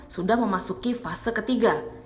sudah memasuki fase ketiga